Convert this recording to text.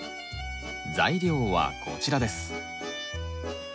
材料はこちらです。